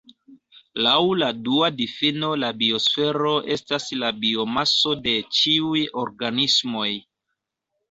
Laŭ la dua difino la biosfero estas la biomaso de ĉiuj organismoj.